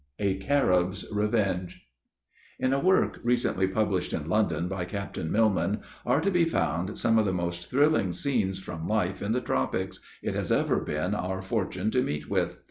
A CARIB'S REVENGE. In a work recently published in London, by Captain Millman, are to be found some of the most thrilling scenes, from life in the tropics, it has ever been our fortune to meet with.